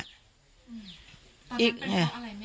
ตอนนั้นเป็นพ่ออะไรแม่